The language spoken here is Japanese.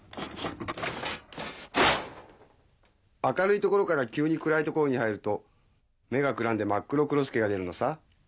明るい所から急に暗い所に入ると目がくらんでマックロクロスケが出るのさ。